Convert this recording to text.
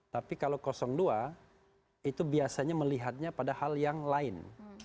tapi kalau dua itu biasanya melihatnya pada hal yang lain